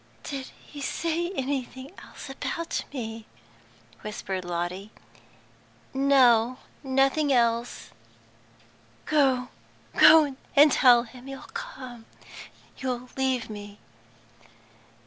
"Did he say anything else about me?" whispered Lotty. "No, nothing else." "Go go and tell him you'll come, you'll leave me."